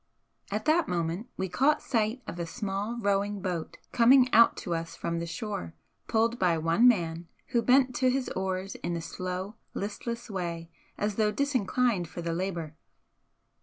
At that moment we caught sight of a small rowing boat coming out to us from the shore, pulled by one man, who bent to his oars in a slow, listless way as though disinclined for the labour.